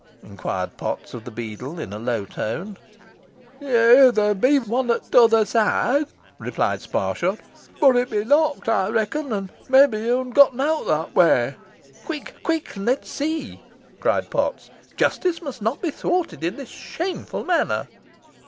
inquired Potts of the beadle, in a low tone. "Yeigh, theere be one ot t'other soide," replied Sparshot, "boh it be locked, ey reckon, an maybe hoo'n getten out that way." "Quick, quick, and let's see," cried Potts; "justice must not be thwarted in this shameful manner."